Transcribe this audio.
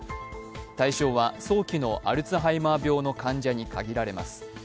対象は早期のアルツハイマー病の患者に限られます。